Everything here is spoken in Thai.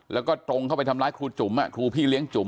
แล้วก็ตรงเข้าไปทำร้ายครูจุ๋มครูพี่เลี้ยงจุ๋ม